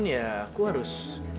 ya aku harus